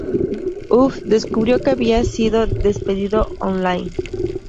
Huff descubrió que había sido despedido on line.